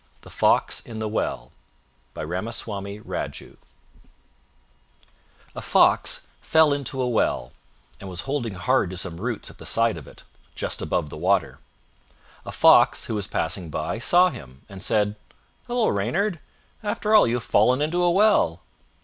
THE FOX IN THE WELL By Ramaswami Raju A fox fell into a well and was holding hard to some roots at the side of it, just above the water. A Wolf, who was passing by, saw him, and said, "Hello, Reynard, after all you have fallen into a well!"